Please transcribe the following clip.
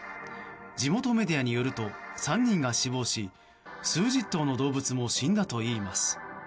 地元メディアによると３人が死亡し数十頭の動物も死んだといいます。